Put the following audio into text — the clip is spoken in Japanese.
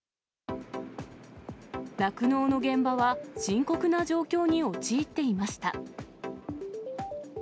酪農の現場は、深刻な状況に陥っていました。